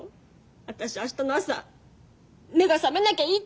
私明日の朝目が覚めなきゃいいって思ってる。